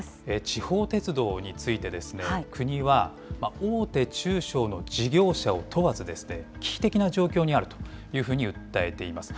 地方鉄道について、国は大手、中小の事業者を問わず、危機的な状況にあるというふうに訴えています。